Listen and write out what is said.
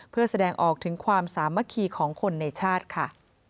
เพื่อแสดงออกถึงความสามัคคีของคนในชาติค่ะ